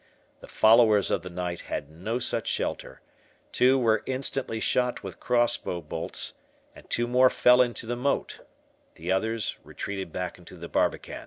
The followers of the knight had no such shelter; two were instantly shot with cross bow bolts, and two more fell into the moat; the others retreated back into the barbican.